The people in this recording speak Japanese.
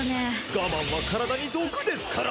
我慢は体に毒ですから。